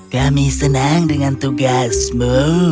kami senang dengan tugasmu